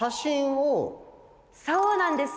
そうなんです。